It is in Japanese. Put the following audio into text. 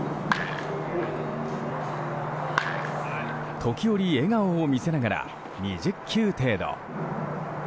時折、笑顔を見せながら２０球程度。